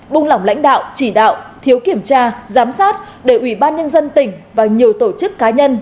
buông lỏng lãnh đạo chỉ đạo thiếu kiểm tra giám sát để ủy ban nhân dân tỉnh và nhiều tổ chức cá nhân